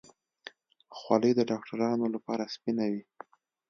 خولۍ د ډاکترانو لپاره سپینه وي.